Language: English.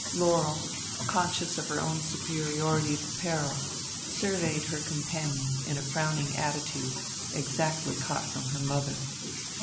Laurel, conscious of her own superiority of apparel, surveyed her companion in a frowning attitude exactly caught from her mother.